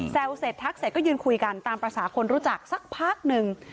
เสร็จทักเสร็จก็ยืนคุยกันตามภาษาคนรู้จักสักพักหนึ่ง